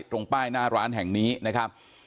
ตรงป้ายหน้าร้านแห่งนี้นะครับ